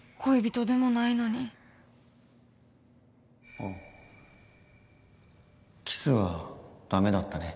あっキスはダメだったね